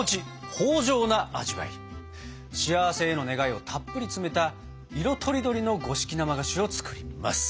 幸せへの願いをたっぷり詰めた色とりどりの五色生菓子を作ります！